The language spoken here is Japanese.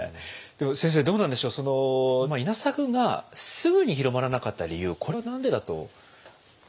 でも先生どうなんでしょう稲作がすぐに広まらなかった理由これは何でだと？